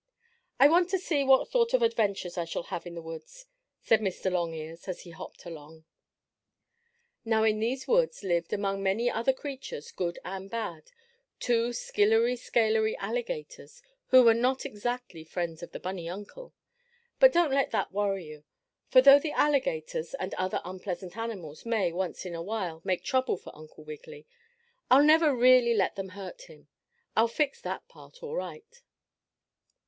"I want to see what sort of adventures I shall have in the woods," said Mr. Longears as he hopped along. Now in these woods lived, among many other creatures good and bad, two skillery scalery alligators who were not exactly friends of the bunny uncle. But don't let that worry you, for though the alligators, and other unpleasant animals, may, once in a while, make trouble for Uncle Wiggily, I'll never really let them hurt him. I'll fix that part all right!